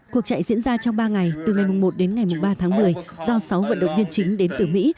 cuộc chạy diễn ra trong ba ngày từ ngày một đến ngày ba tháng một mươi do sáu vận động viên chính đến từ mỹ